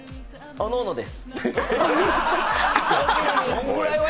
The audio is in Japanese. おのおので。